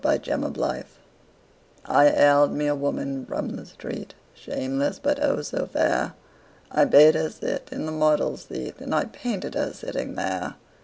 My Madonna I haled me a woman from the street, Shameless, but, oh, so fair! I bade her sit in the model's seat And I painted her sitting there.